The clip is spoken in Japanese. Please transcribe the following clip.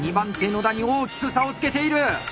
野田に大きく差をつけている！